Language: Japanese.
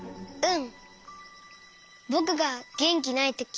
うん。